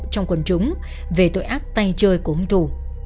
trong quần chúng về tội ác tay chơi của hung thủ